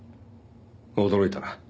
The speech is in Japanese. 驚いたな。